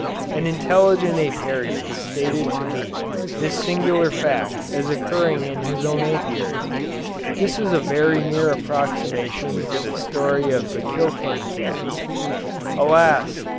An intelligent Apiarian stated to me this singular fact as occurring in his own Apiary. This is a very near approximation to the story of the Kilkenny cats. Alas!